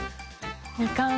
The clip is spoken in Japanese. みかん。